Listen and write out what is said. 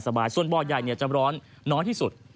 ส่วนบ่อใหญ่จะร้อนน้อยที่สุด